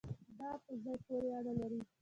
دا په ځای پورې اړه لري